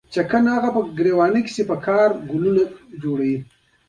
له دې خوا به باد د ونو په بلګو پسې راوهلې.